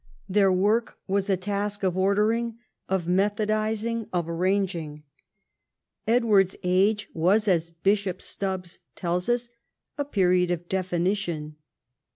Their work was a task of ordering, of methodising, of arranging. Edward's age was, as Bishop Stubbs tells us, a period of definition.